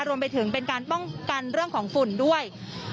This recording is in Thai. รวมไปถึงเป็นการป้องกันเรื่องของฝุ่นด้วย